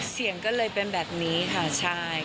เสียงก็เลยเป็นแบบนี้ค่ะใช่